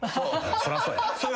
そりゃそうや。